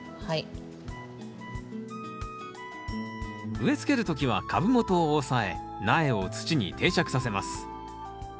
植え付ける時は株元を押さえ苗を土に定着させます。